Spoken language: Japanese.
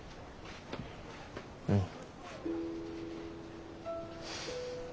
うん。